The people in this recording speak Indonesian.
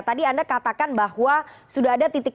tadi anda katakan bahwa kajian ini berat atau tidak